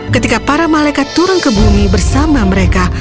ketika para malaikat turun ke bumi bersama mereka